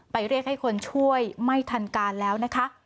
เรียกให้คนช่วยไม่ทันการแล้วนะคะ